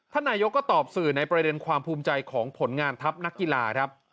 นายกก็ตอบสื่อในประเด็นความภูมิใจของผลงานทัพนักกีฬาครับ